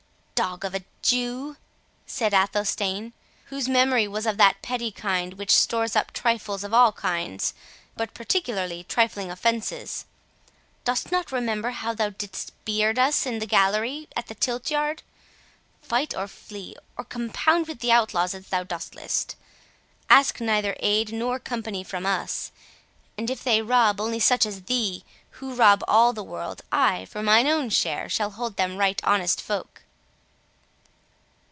"Dog of a Jew!" said Athelstane, whose memory was of that petty kind which stores up trifles of all kinds, but particularly trifling offences, "dost not remember how thou didst beard us in the gallery at the tilt yard? Fight or flee, or compound with the outlaws as thou dost list, ask neither aid nor company from us; and if they rob only such as thee, who rob all the world, I, for mine own share, shall hold them right honest folk."